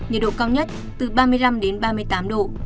nhiệt độ cao nhất từ ba mươi năm đến ba mươi tám độ